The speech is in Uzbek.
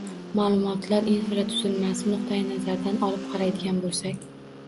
Maʼlumotlar infratuzilmasi nuqtayi nazaridan olib qaraydigan boʻlsak